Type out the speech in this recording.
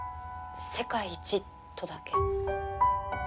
世界一とだけ。